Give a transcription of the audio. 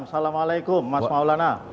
assalamualaikum mas maulana